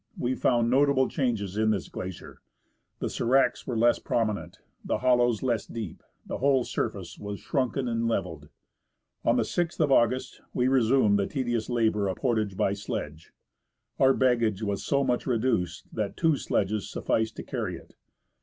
We found notable changes in this glacier ; the sdracs were less prominent, the hollows less deep, the whole surface was shrunken and levelled. On the '6th of August we resumed the tedious labour of portage by sledge. Our baggage was so much reduced that two sledges sufficed to carry it.